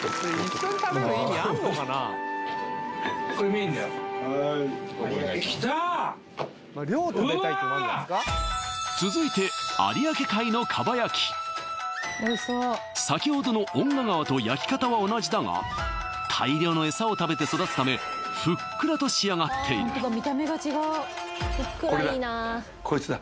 これメインだよ・はい続いて先ほどの遠賀川と焼き方は同じだが大量の餌を食べて育つためふっくらと仕上がっているこれだこいつだ